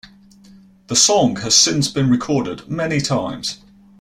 The song has since been recorded many times.